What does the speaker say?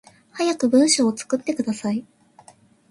早く文章作ってください